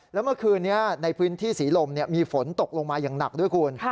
แล้วเมื่อคืนนี้ในพื้นที่ศรีลมมีฝนตกลงมาอย่างหนักด้วยคุณ